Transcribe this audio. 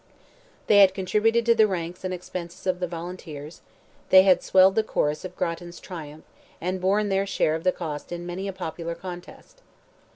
They had contributed to the ranks and expenses of the Volunteers; they had swelled the chorus of Grattan's triumph, and borne their share of the cost in many a popular contest.